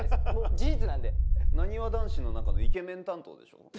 事実なんでなにわ男子の中のイケメン担当でしょ？